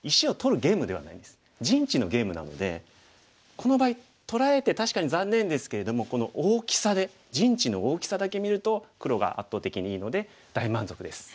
この場合取られて確かに残念ですけれどもこの大きさで陣地の大きさだけ見ると黒が圧倒的にいいので大満足です。